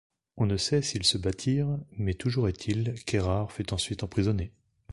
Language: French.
On ne sait s'ils se battirent, mais toujours est-il qu'Érard fut ensuite emprisonné.